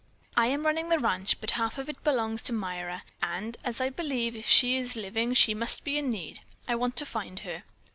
I am running the ranch, but half of it belongs to Myra, and, as I believe if she is living she must be in need, I want to find her.